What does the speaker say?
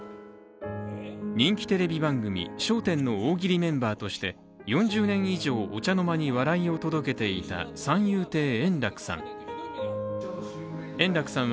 人気テレビ番組「笑点」の大喜利メンバーとして４０年以上お茶の間に笑いを届けていた三遊亭円楽さん。